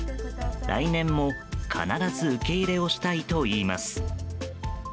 来年も必ず受け入れをしたいといいます。